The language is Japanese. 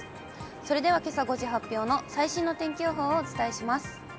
それではけさ５時発表の最新の天気予報をお伝えします。